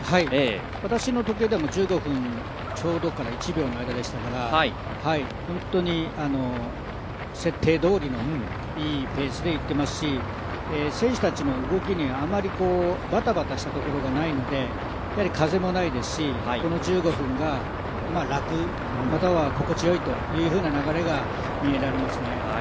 私の時計では１５分ちょうどから１秒の間でしたから本当に設定どおりのいいペースでいってますし選手たちの動きにあまりバタバタしたところがないので風もないですし、この１５分が楽、または心地よいというふうな流れが見られますね。